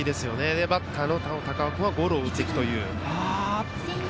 で、バッターの高尾君はゴロを打っていくという。